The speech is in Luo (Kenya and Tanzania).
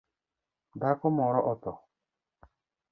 Dhako moro otho